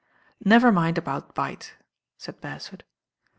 "Never mind about Bight," said Beresford.